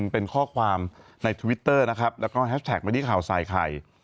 เป็นข้อความในทวิตเตอร์นะครับแล้วก็แฮชแท็กมาที่ข่าวใส่ไข่